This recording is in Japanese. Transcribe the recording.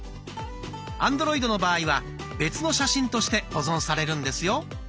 アンドロイドの場合は別の写真として保存されるんですよ。